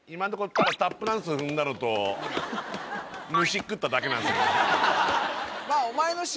ただタップダンス踏んだのと虫食っただけなんですよね